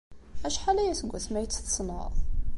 Acḥal aya seg wasmi ay tt-tessneḍ?